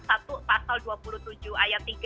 satu pasal dua puluh tujuh ayat tiga